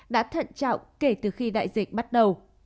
đã thận trọng kể từ khi đại dịch bắt đầu